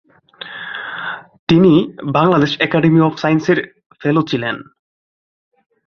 তিনি Bangladesh academy of সায়েন্সের fellow ছিলেন।